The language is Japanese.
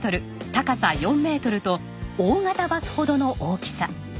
高さ４メートルと大型バスほどの大きさ。